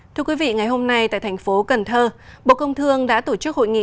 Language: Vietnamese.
thưa quý vị ngày hôm nay tại thành phố cần thơ bộ công thương đã tổ chức hội nghị